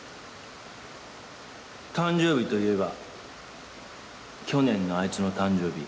誕生日といえば去年のあいつの誕生日。